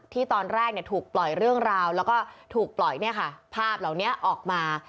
ที่ตอนแรกถูกปล่อยเรื่องราวแล้วก็ถูกปล่อยภาพเหล่านี้ออกมา